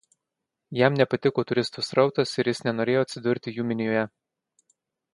Jam nepatiko turistų srautas ir jis nenorėjo atsidurti jų minioje.